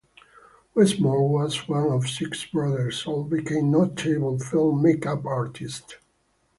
Westmore was one of six brothers; all became notable film make-up artists.